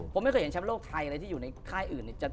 ผมไม่เคยเห็นแชมป์โลกไทยอะไรที่อยู่ในค่ายอื่น